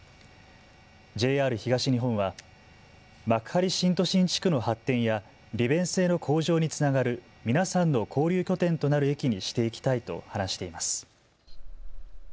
ＪＲ東日本は幕張新都心地区の発展や利便性の向上につながる皆さんの交流拠点となる駅にしていきたいと話しています。